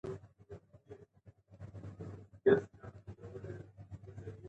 نفرت ته ځای مه ورکوئ.